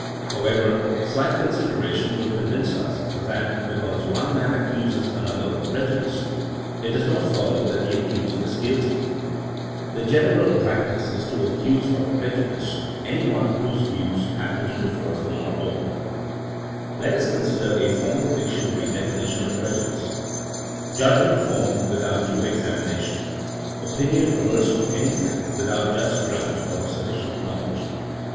^*^ How ever, slight consideration will convince us that because one man accuses another of prejudice, it does not follow that the accused is guilty. The general practice is to accuse of prejudice s Thi Conduct of the Understanding, THINEINO AS A 80IEN0E 103 any one whose views happen to differ from our own. Let us consider a formal dictionary definition of prejudice: Judgment formed without due examination ; opinion adverse to anything, with out just grounds or suflScient knowledge.